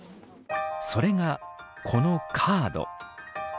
それがこのカード。